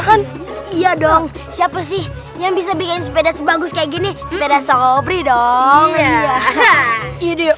kan iya dong siapa sih yang bisa bikin sepeda sebagus kayak gini sepeda sobri dong